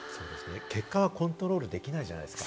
結果はコントロールできないじゃないですか。